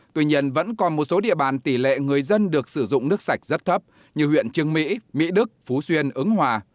tuy nhiên vẫn còn một số địa bàn tỷ lệ người dân được sử dụng nước sạch rất thấp như huyện trương mỹ mỹ đức phú xuyên ứng hòa